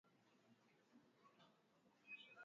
Ana mpango wa kusafiri ngámbo